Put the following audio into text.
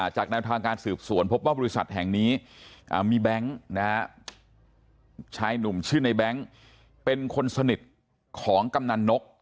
ชายหนุ่มชื่อในแบงก์เป็นคนสนิทของกำนันนก